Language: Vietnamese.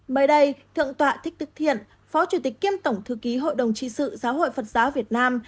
mới đây thượng tọa thích tư thiện phó chủ tịch kiêm tổng thư ký hội đồng trị sự giáo hội phật giáo việt nam